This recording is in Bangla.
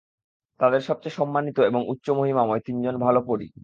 তাদের সবচেয়ে সম্মানিত এবং উচ্চ মহিমাময়, তিনজন ভালো পরী।